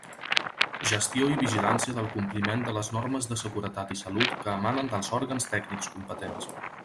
Gestió i vigilància del compliment de les normes de seguretat i salut que emanen dels òrgans tècnics competents.